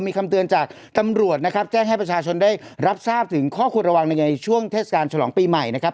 มีคำเตือนจากตำรวจนะครับแจ้งให้ประชาชนได้รับทราบถึงข้อควรระวังในช่วงเทศกาลฉลองปีใหม่นะครับ